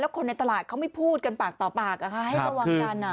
แล้วกันคนในตลาดเขาไม่พูดกันปากต่อปากเอาค่ะให้ระวังกัน